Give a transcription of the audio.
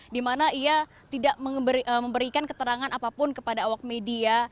di mana ia tidak memberikan keterangan apapun kepada awak media